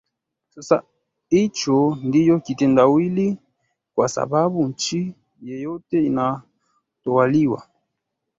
sasa hicho ndio kitendawili kwa sababu nchi yeyote inayotawaliwa